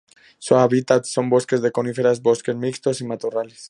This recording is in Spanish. Su hábitat son bosques de coníferas, bosques mixtos y matorrales.